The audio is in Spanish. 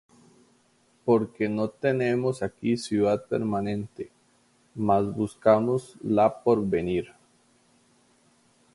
Porque no tenemos aquí ciudad permanente, mas buscamos la por venir.